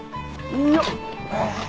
よっ！